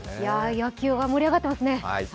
野球が盛り上がってますね。